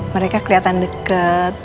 mereka kelihatan dekat